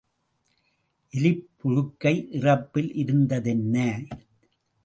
எலிப் புழுக்கை இறப்பில் இருந்தென்ன?